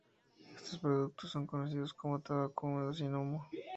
Estos productos son conocidos como tabaco húmedo sin humo.